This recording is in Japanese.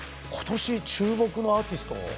ことし注目のアーティスト？